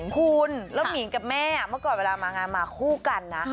คุณแล้วหมิงกับแม่เมื่อก่อนเวลามางานมาคู่กันนะ